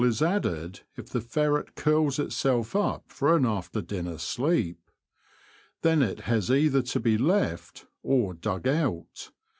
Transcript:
125 is added if the ferret curls itself up for an after dinner sleep. Then it has either to be left or dug out.